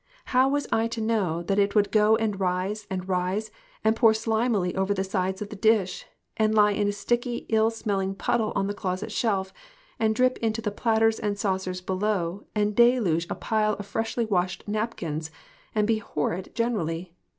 How was I to know that it TOTAL DEPRAVITY. 53 would go and rise and rise, and pour slimily over the sides of the dish, and lie in a sticky, ill smell ing puddle on the closet shelf, and drip into the platters and saucers below, and deluge a pile of freshly washed napkins, and be horrid generally